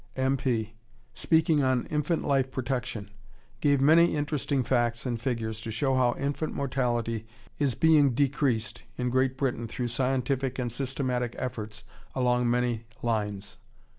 M. P., speaking on "Infant Life Protection" gave many interesting facts and figures to show how infant mortality is being decreased in Great Britain through scientific and systematic efforts along many lines.